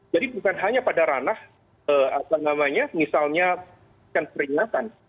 jadi bukan hanya pada ranah misalnya peringatan